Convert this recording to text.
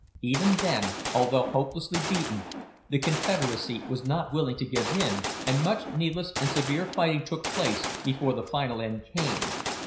Even then, although hopelessly beaten, the Confederacy was not willing to give in, and much needless and severe fighting took place before the final end came.